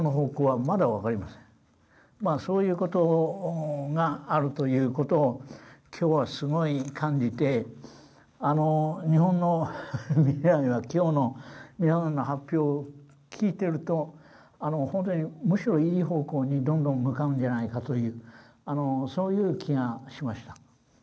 そういう事があるという事を今日はすごい感じて日本のみんなには今日の皆さんの発表を聞いてるとむしろいい方向にどんどん向かうんじゃないかというそういう気がしました。